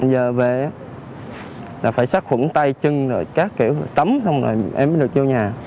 giờ về là phải sát khuẩn tay chân các kiểu tắm xong rồi em mới được vô nhà